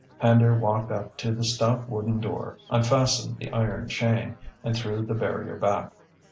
Pender walked up to the stout wooden door, unfastened the iron chain, and threw the barrier back.